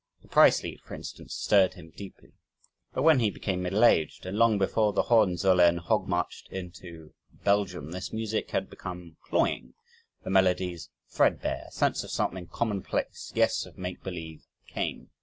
The "Preis Lied," for instance, stirred him deeply. But when he became middle aged and long before the Hohenzollern hog marched into Belgium this music had become cloying, the melodies threadbare a sense of something commonplace yes of make believe came.